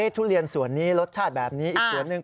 ทุเรียนส่วนนี้รสชาติแบบนี้อีกส่วนหนึ่ง